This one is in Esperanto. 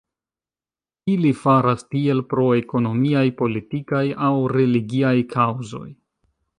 Ili faras tiel pro ekonomiaj, politikaj aŭ religiaj kaŭzoj.